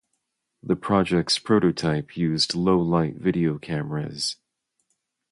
The project's prototype used low-light video cameras.